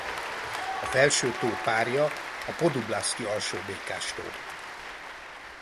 A felső tó párja a Poduplaszki-Alsó-Békás-tó.